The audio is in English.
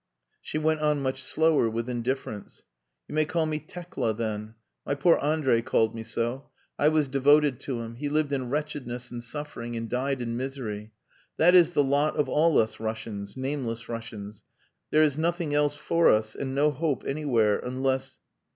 She went on much slower, with indifference "You may call me Tekla, then. My poor Andrei called me so. I was devoted to him. He lived in wretchedness and suffering, and died in misery. That is the lot of all us Russians, nameless Russians. There is nothing else for us, and no hope anywhere, unless..."